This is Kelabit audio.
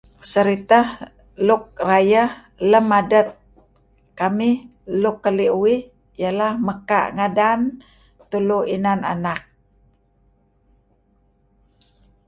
Seritah luk rayeh lem adet kamih luk keli' uih iyeh lah mekaa' ngadan tulu inan anak.